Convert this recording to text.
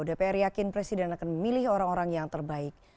dpr yakin presiden akan memilih orang orang yang terbaik